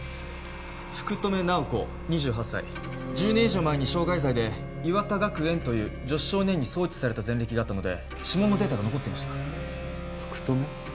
福留奈保子２８歳１０年以上前に傷害罪で岩田学園という女子少年院に送致された前歴があったので指紋のデータが残っていました福留？